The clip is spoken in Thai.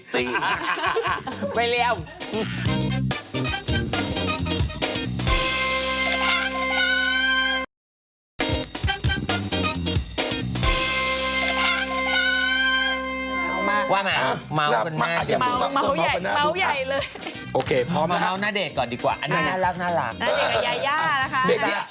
ส่งเข้ามาอยู่อ่ะนั่งอ่ะดูไลน์ด้วยนะครับ